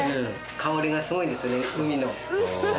香りがすごいですねウニの。